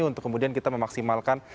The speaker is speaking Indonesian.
untuk kemudian kita memaksimalkan